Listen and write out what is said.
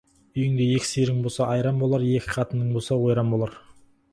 Үйіңде екі сиырың болса, айран болар, екі қатының болса, ойран болар.